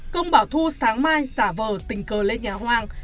công bảo thu sáng mai giả vờ tình cờ lên nhà hoang